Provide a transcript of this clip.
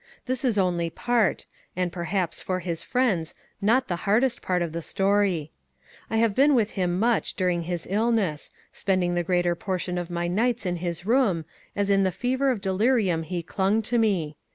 This is only part, and, perhaps, for his friends, not the hardest part of the story. I have been with him much during his ill ness, spending the greater portion of my nights in his room, as in the fever of delirium he clung to me.